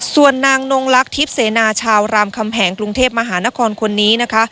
ส่วนนางนงลักษิพเสนาชาวรามคำแหงกรุงเทพมหานครคนนี้นะคะ